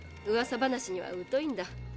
うわさ話にはうといんだ。